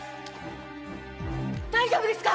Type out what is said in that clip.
大丈夫ですか？